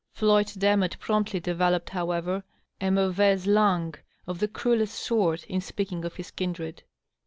Floyd Demotte promptly developed, however, a vnauvaim Ixmgue 01 the cruellest sort in speaking of his kin dred.